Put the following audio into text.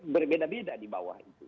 berbeda beda di bawah